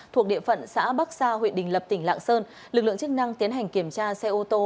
thuộc địa phận xã bắc sa huyện đình lập tỉnh lạng sơn lực lượng chức năng tiến hành kiểm tra xe ô tô